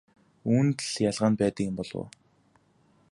Үүнд л ялгаа нь байдаг юм ойлгов уу?